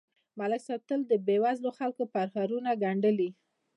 ملک صاحب تل د بېوزلو خلکو پرهارونه گنډلي